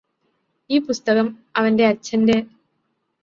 ഈ പുസ്തകം അവന്റെ അച്ഛന്റെ